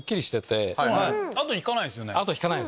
後引かないんですよね。